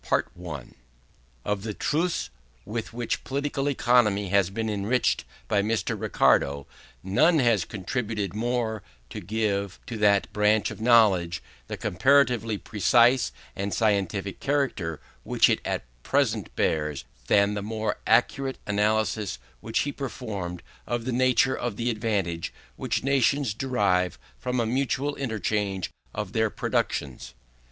Of the truths with which political economy has been enriched by Mr. Ricardo, none has contributed more to give to that branch of knowledge the comparatively precise and scientific character which it at present bears, than the more accurate analysis which he performed of the nature of the advantage which nations derive from a mutual interchange of their productions.